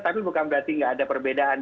tapi bukan berarti nggak ada perbedaan